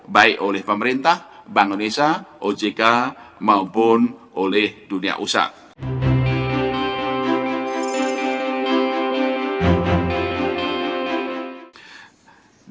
baik oleh pemerintah bank indonesia ojk maupun oleh dunia usaha